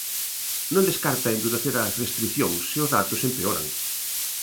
Non descarta endurecer as restrición se os datos empeoran.